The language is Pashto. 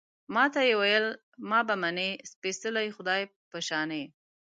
ما ته يې ویل، ما به منې، سپېڅلي خدای په شانې